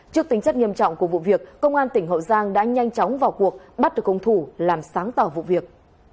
trước tính chất nghiêm trọng của vụ việc công an tỉnh hậu giang đã nhanh chóng vào cuộc bắt được công thủ làm sáng tỏ vụ việc